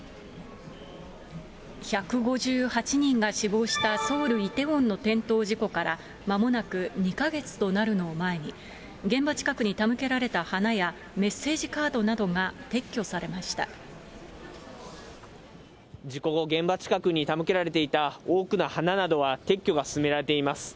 １５８人が死亡したソウル・イテウォンの転倒事故からまもなく２か月となるのを前に、現場近くに手向けられた花やメッセージカードなどが撤去されまし事故後、現場近くに手向けられていた多くの花などは、撤去が進められています。